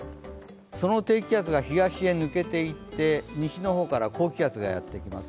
その低気圧が東へ抜けていって西から高気圧がやってきます。